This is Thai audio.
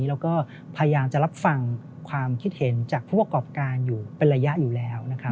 แล้วก็พยายามจะรับฟังความคิดเห็นจากผู้ประกอบการอยู่เป็นระยะอยู่แล้ว